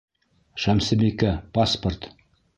Шәмсебикә, паспорт!